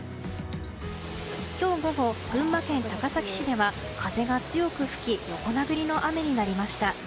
今日午後、群馬県高崎市では風が強く吹き横殴りの雨になりました。